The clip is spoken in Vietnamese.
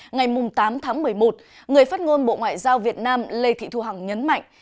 ngày tám tháng một mươi một người phát ngôn bộ ngoại giao việt nam lê thị thu hằng nhấn mạnh